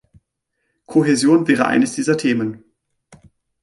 Kohäsion wäre eines dieser Themen.